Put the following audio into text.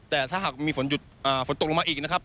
แต่ถ้าหากมีฝนตกลงมาอีกนะครับ